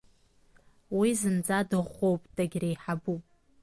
Уи зынӡа дыӷәӷәоуп, дагьреиҳабуп.